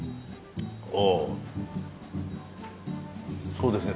そうですね